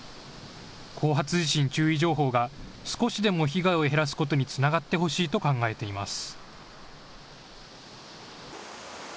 後発地震注意情報が少しでも被害を減らすことにつながってほしいと考えています。